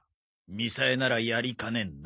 みさえならやりかねんな。